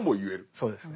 そうですね。